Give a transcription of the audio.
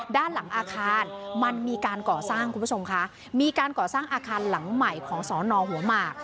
ด้านหลังอาคารมันมีการก่อสร้างคุณผู้ชมค่ะมีการก่อสร้างอาคารหลังใหม่ของสอนอหัวหมาก